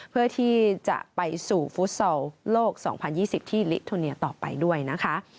เพื่อที่จะไปสู่ฟุตซอลโลก๒๐๒๐ที่ลิโทเนียต่อไปด้วยนะคะ